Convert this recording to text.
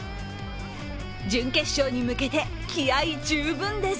準決勝に向けて気合い十分です。